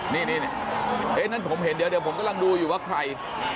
นี่นั่นผมเห็นเดี๋ยวผมกำลังดูอยู่ว่าใคร